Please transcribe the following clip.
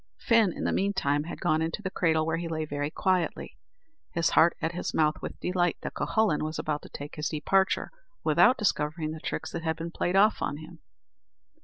Fin, in the meantime, had gone into the cradle, where he lay very quietly, his heart at his mouth with delight that Cuhullin was about to take his departure, without discovering the tricks that had been played off on him.